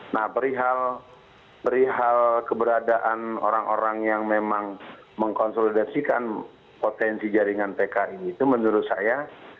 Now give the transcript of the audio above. nah perihal keberadaan orang orang yang memang mengkonsolidasikan potensi jaringan pki itu menurut saya